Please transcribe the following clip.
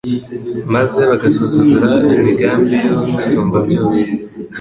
maze bagasuzugura imigambi y’Umusumbabyose